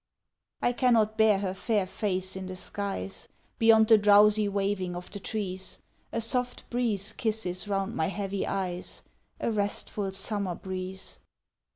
I cannot bear her fair face in the skies Beyond the drowsy waving of the trees, A soft breeze kisses round my heavy eyes, A restful summer breeze.